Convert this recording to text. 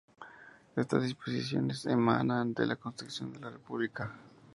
Estas disposiciones emanan de la Constitución de la República.